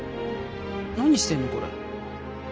何してんのこれ？